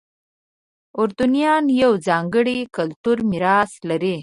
اردنیان یو ځانګړی کلتوري میراث لري.